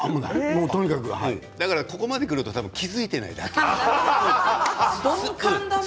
だからここまでくると気付いていないだけ。